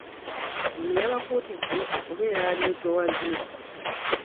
Ono yabakuutidde okubeera abeetoowaze